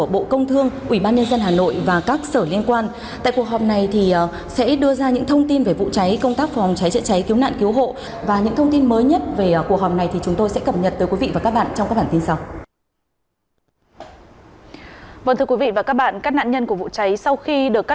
một mươi bộ công an ủy ban nhân dân các tỉnh thành phố trực thuộc trung ương tiếp tục triển khai thực hiện nghiêm túc quyết liệt các chi phạm theo quy định của pháp luật